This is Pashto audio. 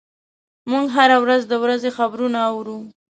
موږ هره ورځ د ورځې خبرونه اورو.